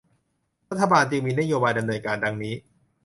รัฐบาลจึงมีนโยบายดำเนินการดังนี้